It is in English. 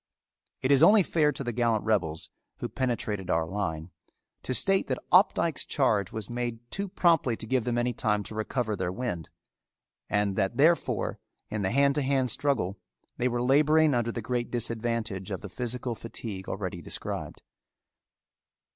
It is only fair to the gallant rebels, who penetrated our line, to state that Opdycke's charge was made too promptly to give them any time to recover their wind, and that therefore in the hand to hand struggle, they were laboring under the great disadvantage of the physical fatigue already described.